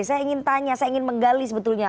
saya ingin tanya saya ingin menggali sebetulnya